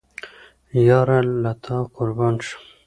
یاره له تا قربان شم